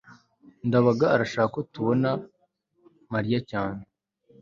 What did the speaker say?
ndabaga arashaka ko tubona mariya cyane